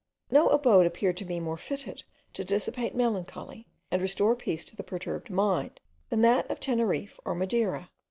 No abode appeared to me more fitted to dissipate melancholy, and restore peace to the perturbed mind, than that of Teneriffe or Madeira.